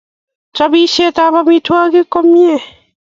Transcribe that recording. chopishetab amitwogik ko mie kenetkwei